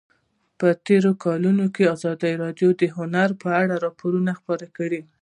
په تېرو کلونو کې ازادي راډیو د هنر په اړه راپورونه خپاره کړي دي.